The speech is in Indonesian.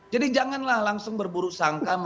jadi janganlah langsung berburu sangka